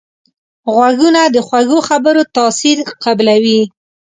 غوږونه د خوږو خبرو تاثیر قبلوي